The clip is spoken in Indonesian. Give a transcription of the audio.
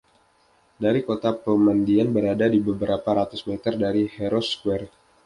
Dari kota, pemandian berada di beberapa ratus meter dari Heroes' Square.